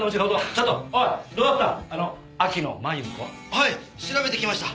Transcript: はい調べてきました。